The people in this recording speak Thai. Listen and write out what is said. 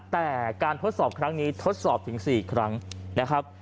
แต่การทดสอบครั้งนี้ทดสอบถึง๔ครั้งนะครับ